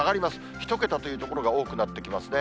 １桁という所が多くなってきますね。